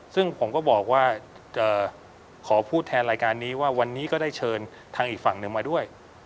ซึ่งผมก็บอกว่าจะขอพูดแทนรายการนี้ว่าวันนี้ก็ได้เชิญทางอีกฝั่งหนึ่งมาด้วย